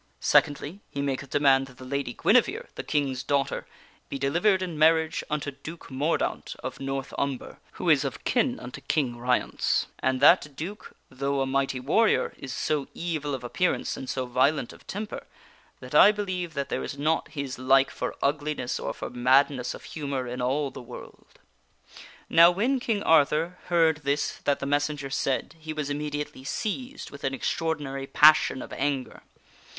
Sec ondly, he maketh demand that the Lady Guinevere, the King's daughter, be delivered in marriage unto Duke Mordaunt of North Umber, who is of kin unto King Ryence, and that Duke, though a mighty warrior, is so evil of appearance, and so violent of temper, that I believe that there is not his like for ugliness or for madness of humor in all of the world." KING ARTHUR IS ANGRY 81 Now when King Arthur heard this that the messenger said he was immediately seized with an extraordinary passion of anger.